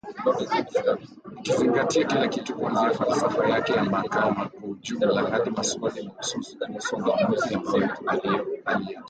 Ikizingatia kila kitu kuanzia falsafa yake ya mahakama kwa ujumla hadi maswali mahususi kuhusu maamuzi ambayo aliyatoa.